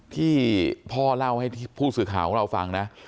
ที่พ่อเล่าให้ผู้สื่อข่าวของเราฟังนะ